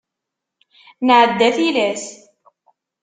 Nɛedda tilas.